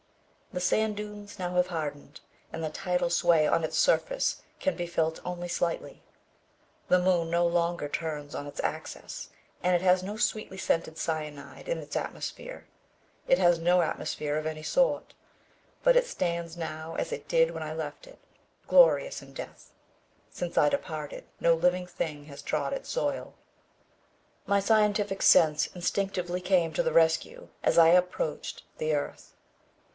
The sand dunes now have hardened and the tidal sway of its surface can be felt only slightly. The moon no longer turns on its axis and it has no sweetly scented cyanide in its atmosphere. It has no atmosphere of any sort. But it stands now as it did when I left it, glorious in death. Since I departed, no living thing has trod its soil. My scientific sense instinctively came to the rescue as I approached the earth.